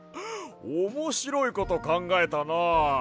おもしろいことかんがえたな。